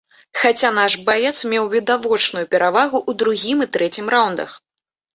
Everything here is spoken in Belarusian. Хаця наш баец меў відавочную перавагу ў другім і трэцім раўндах.